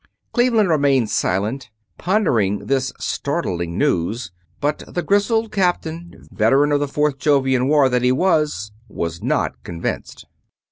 Cleveland remained silent, pondering this startling news, but the grizzled Captain, veteran of the Fourth Jovian War that he was, was not convinced.